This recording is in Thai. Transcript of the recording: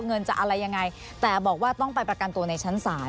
เงินจะอะไรยังไงแต่บอกว่าต้องไปประกันตัวในชั้นศาล